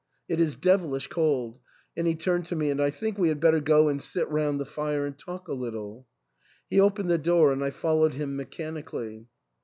" It is devilish cold," and he turned to me, " and I think we had better go and sit round the fire and talk a little." He opened the door, and I followed him mechanically.